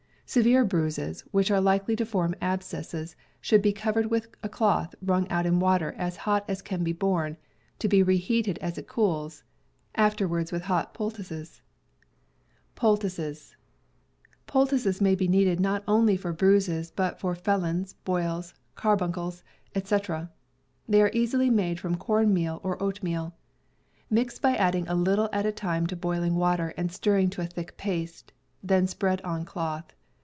Severe bruises, which are likely to form abscesses, should be covered with cloth wrung out in water as hot as can be borne, to be reheated as it cools; afterwards with hot poultices. Poultices may be needed not only for bruises but for felons, boils, carbuncles, etc. They are easily made from corn meal or oat meal. Mix by adding a little at a time to boiling water and stirring to a thick paste; then spread on cloth.